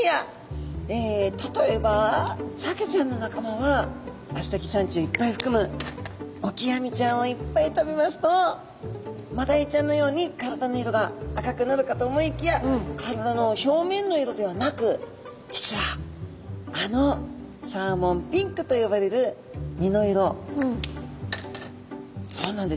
例えばサケちゃんの仲間はアスタキサンチンをいっぱいふくむオキアミちゃんをいっぱい食べますとマダイちゃんのように体の色が赤くなるかと思いきや体の表面の色ではなく実はあのサーモンピンクと呼ばれる身の色そうなんです